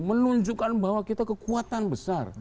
menunjukkan bahwa kita kekuatan besar